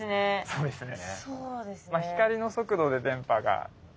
そうですね。